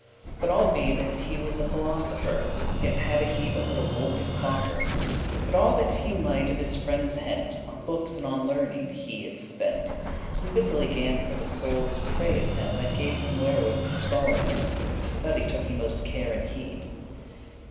But all be that he was a philosopher, Yet hadde he but little gold in coffer, But all that he might of his friendes hent*, *obtain On bookes and on learning he it spent, And busily gan for the soules pray Of them that gave him <25> wherewith to scholay* *study Of study took he moste care and heed.